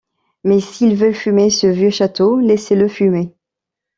Mais s’il veut fumer, ce vieux château, laissez-le fumer!...